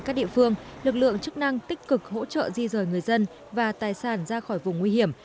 các địa phương lực lượng chức năng tích cực hỗ trợ di rời người dân và tài sản ra khỏi vùng nguy hiểm